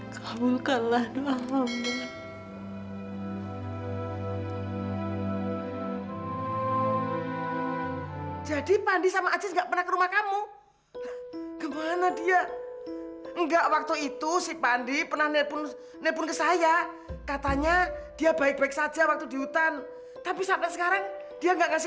kamulkanlah doa allah